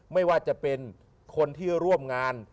ไม่ว่าจะเป็นคนที่ร่วมงาน